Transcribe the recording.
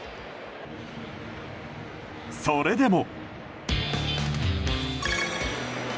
それでも。